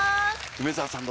梅澤さん